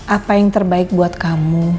apa yang terbaik buat kamu